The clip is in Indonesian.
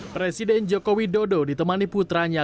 presiden jokowi dodo ditemani putranya